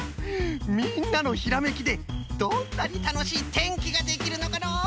みんなのひらめきでどんなにたのしいてんきができるのかのう！